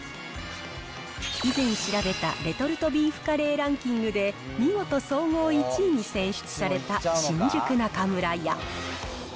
以前調べたレトルトビーフカレーランキングで、見事総合１位に選出された、新宿中村屋。